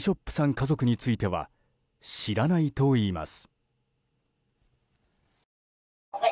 家族については知らないといいます。